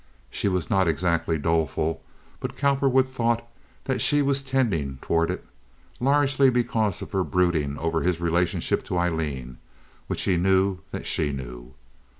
She was not exactly doleful, but Cowperwood thought that she was tending toward it, largely because of her brooding over his relationship to Aileen, which he knew that she knew.